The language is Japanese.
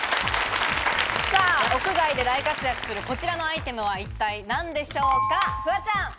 屋外で大活躍するこちらのアイテムは一体何でしょうか？